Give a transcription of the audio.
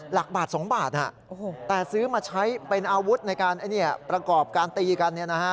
หลักบาท๒บาทแต่ซื้อมาใช้เป็นอาวุธในการประกอบการตีกัน